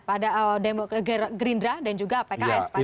pada demokragerindra dan juga pks pada hari ini